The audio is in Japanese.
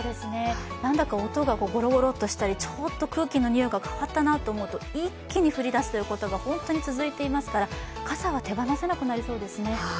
なんだか音がゴロゴロっとしたりなんか空気の匂いが変わったと思うと、一気に降りだすということが本当に続いていますから傘は手放せなくなりそうですね。